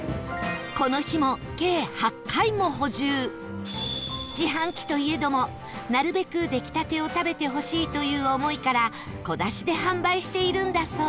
この日も計８回も補充自販機といえどもなるべく出来たてを食べてほしいという思いから小出しで販売しているんだそう